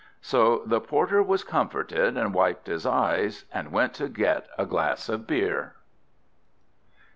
So the Porter was comforted, and wiped his eyes, and went to get a glass of beer.